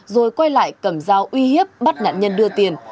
rồi quay lại cầm dao uy hiếp bắt nạn nhân đưa tiền